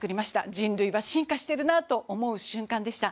人類は進化しているなと思う瞬間でした。